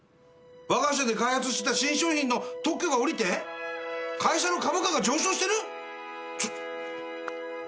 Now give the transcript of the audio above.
わが社で開発した新商品の特許が下りて会社の株価が上昇してる！？